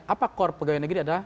apa core pegawai negeri adalah